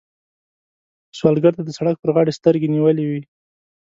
سوالګر د سړک پر غاړه سترګې نیولې وي